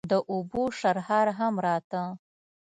د اوبو شرهار هم راته.